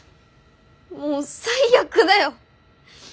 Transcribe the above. もう最悪だよ。